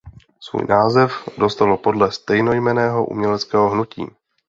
Svůj název dostalo podle stejnojmenného uměleckého hnutí.